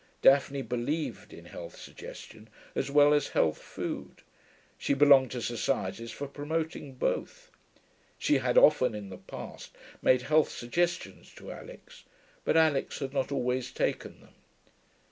Daphne believed in health suggestion, as well as health food. She belonged to societies for promoting both. She had often in the past made health suggestions to Alix, but Alix had not always taken them.